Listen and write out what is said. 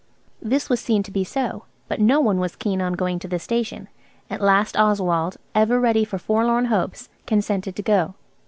This was seen to be so, but no one was keen on going to the station. At last Oswald, ever ready for forlorn hopes, consented to go.